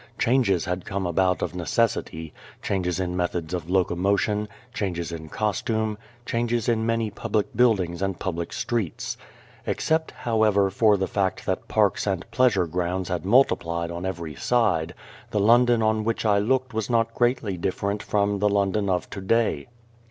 Changes had come about of necessity changes in methods of locomotion, changes in costume, changes in many public buildings and public streets. Except, however, for the fact that parks and pleasure grounds had multiplied on every side, the London on which I looked was not greatly different from the London of to day.